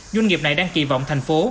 doanh nghiệp này đang kỳ vọng thành phố